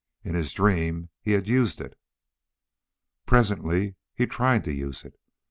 In his dream he had used it.... Presently he tried to use it.